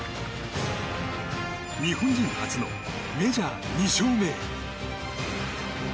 日本人初のメジャー２勝目へ。